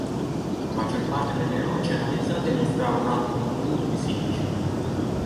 La maggior parte delle rocce analizzate mostrava un alto contenuto di silicio.